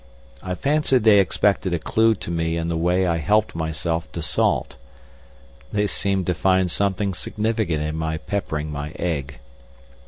I fancy they expected a clue to me in the way I helped myself to salt. They seemed to find something significant in my peppering my egg.